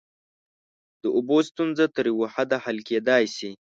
د اوبو ستونزه تر یوه حده حل کیدای شي.